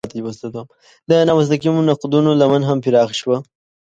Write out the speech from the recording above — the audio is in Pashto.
د نامستقیمو نقدونو لمن هم پراخه شوه.